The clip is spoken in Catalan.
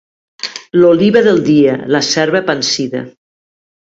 L'oliva, del dia; la serva, pansida.